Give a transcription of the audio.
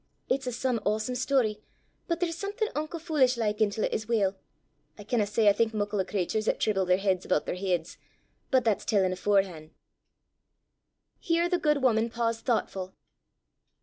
It's a some awsome story, but there's something unco fulish like intil 't as weel. I canna say I think muckle 'o craturs 'at trible their heids aboot their heids! But that's tellin' aforehan'!" Here the good woman paused, thoughtful.